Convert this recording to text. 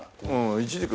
いちじく